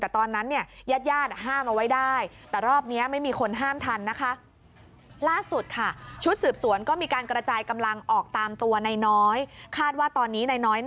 แต่ตอนนั้นเนี่ยญาติญาติห้ามเอาไว้ได้